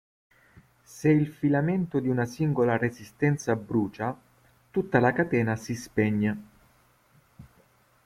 Se il filamento di una singola resistenza brucia, tutta la catena si spegne.